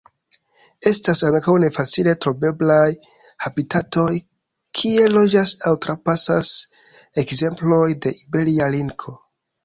Estas ankaŭ ne facile troveblaj habitatoj kie loĝas aŭ trapasas ekzempleroj de Iberia linko.